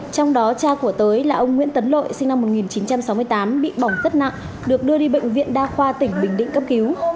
trong đó cha của tới là ông nguyễn tấn lợi sinh năm một nghìn chín trăm sáu mươi tám bị bỏng rất nặng được đưa đi bệnh viện đa khoa tỉnh bình định cấp cứu